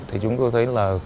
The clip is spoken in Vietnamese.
thì chúng tôi thấy là